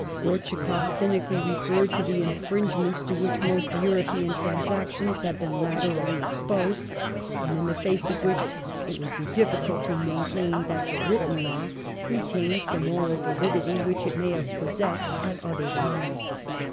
GrortschakofF cyni cally referred to the " infringements to which most European transactions have been latterly exposed, and in the face of which it would be difficult to maintain that the written law ... retains the moral validity which it may have possessed at other times